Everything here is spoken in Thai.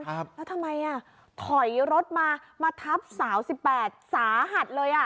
แล้วทำไมอ่ะถอยรถมามาทับสาวสิบแปดสาหัสเลยอ่ะ